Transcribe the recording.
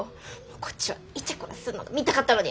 こっちはイチャコラすんの見たかったのに。